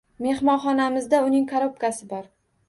Mehmonxonamizda uning korobkasi bor.